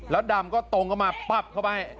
แล้วดำก็ตรงเข้ามาปั๊บเข้าไป